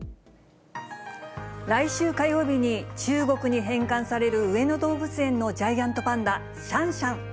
来週火曜日に中国に返還される上野動物園のジャイアントパンダ、シャンシャン。